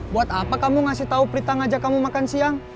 buat apa kamu ngasih tau pritang ngajak kamu makan siang